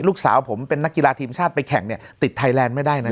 ลูกสาวผมเป็นนักกีฬาทีมชาติไปแข่งเนี่ยติดไทยแลนด์ไม่ได้นะ